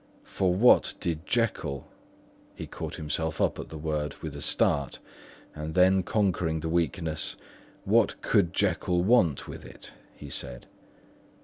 "For what did Jekyll"—he caught himself up at the word with a start, and then conquering the weakness—"what could Jekyll want with it?" he said.